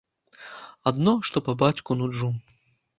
Адно, што па бацьку нуджу.